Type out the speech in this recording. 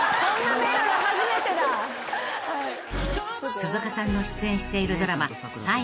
［鈴鹿さんの出演しているドラマ『ｓｉｌｅｎｔ』］